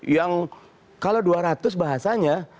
yang kalau dua ratus bahasanya